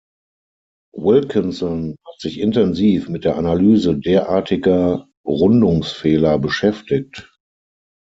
Wilkinson hat sich intensiv mit der Analyse derartiger Rundungsfehler beschäftigt.